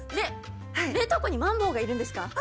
れ冷凍庫にマンボウがいるんですか？